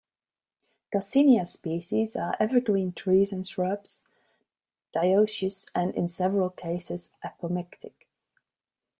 "Garcinia" species are evergreen trees and shrubs, dioecious and in several cases apomictic.